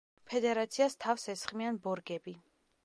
ფედერაციას თავს ესხმიან ბორგები.